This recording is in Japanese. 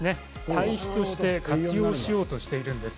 堆肥として活用しようとしているんです。